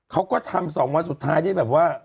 เขาก็ทำ๒วันสุดท้ายได้แบบว่า